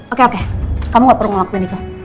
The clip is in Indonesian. oke oke kamu gak perlu ngelakuin itu